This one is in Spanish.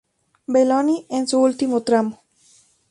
Belloni en su último tramo.